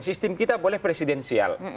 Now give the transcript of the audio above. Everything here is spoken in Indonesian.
sistem kita boleh presidensial